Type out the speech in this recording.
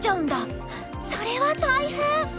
それは大変！